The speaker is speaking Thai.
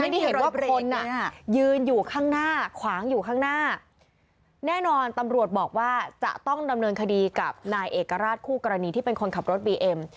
เห็นว่าคนอ่ะยืนอยู่ข้างหน้าขวางอยู่ข้างหน้าแน่นอนตำรวจบอกว่าจะต้องดำเนินคดีกับนายเอกราชคู่กรณีที่เป็นคนขับรถบีเอ็ม